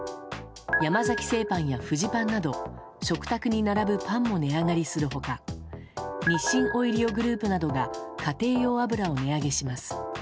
山崎製パンやフジパンなど食卓に並ぶパンも値上がりする他日清オイリオグループなどが家庭用油を値上げします。